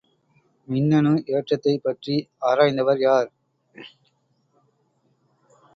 மின்னணு ஏற்றத்தைப் பற்றி ஆராய்ந்தவர் யார்?